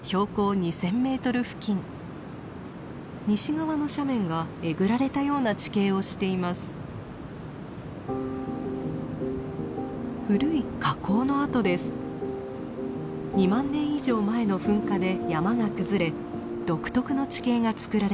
２万年以上前の噴火で山が崩れ独特の地形がつくられました。